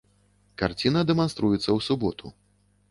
Карціна дэманструецца ў суботу.